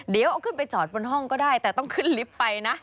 เดี๋ยวเอาขึ้นไปจอดบนห้องก็ได้แต่ต้องขึ้นลิฟต์ไปนะ